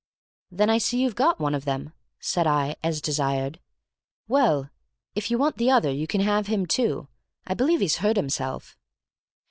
"Then I see you've got one of them," said I, as desired. "Well, if you want the other you can have him, too. I believe he's hurt himself."